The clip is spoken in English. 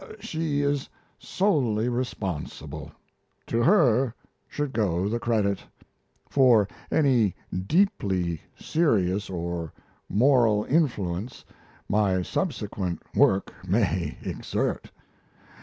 She is solely responsible to her should go the credit for any deeply serious or moral influence my subsequent work may exert.